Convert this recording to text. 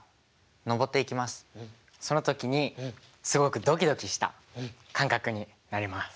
その時にすごくドキドキした感覚になります。